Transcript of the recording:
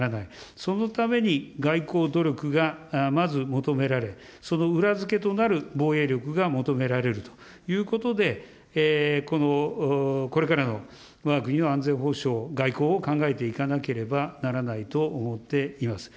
そのために外交努力がまず求められ、その裏づけとなる防衛力が求められるということで、これからのわが国の安全保障、外交を考えていかなければならないと思っています。